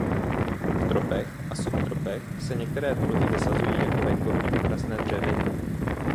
V tropech a subtropech se některé druhy vysazují jako venkovní okrasné dřeviny.